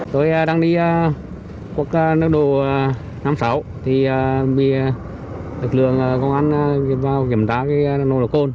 tôi đang đi quốc nước đồ nam sảo thì bị lực lượng công an vào kiểm tra nồng độ cồn